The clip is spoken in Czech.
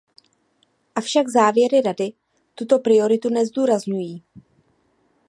Avšak závěry Rady tuto prioritu nezdůrazňují.